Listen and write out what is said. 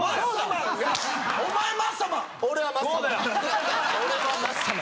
俺はマッサマン。